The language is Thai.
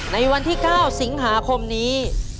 ในวันที่๙สิงหาคมนี้